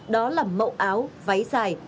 đó là mẫu áo váy dài